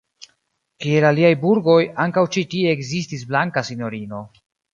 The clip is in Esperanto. Kiel aliaj burgoj, ankaŭ ĉi tie ekzistis blanka sinjorino.